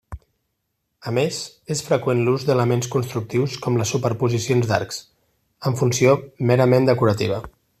A més, és freqüent l'ús d'elements constructius com les superposicions d'arcs, amb funció merament decorativa.